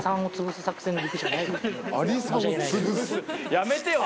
やめてよ